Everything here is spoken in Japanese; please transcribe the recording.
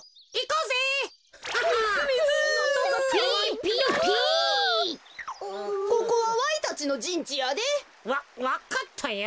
ここはわいたちのじんちやで。わわかったよ。